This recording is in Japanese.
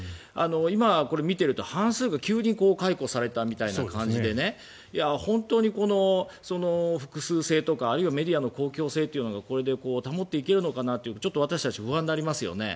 今、見ていると半数が急に解雇されたみたいな感じで本当に複数性とかメディアの公共性というのがこれで保っていけるのかなって私たちは不安になりますよね。